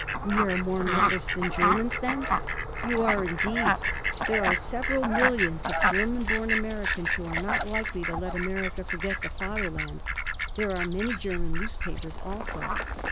"We are more modest than the Germans, then?" "You are, indeed. There are several millions of German born Americans who are not likely to let America forget the Fatherland. There are many German newspapers also."